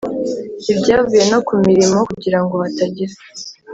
Ntibyavuye no ku mirimo kugira ngo hatagira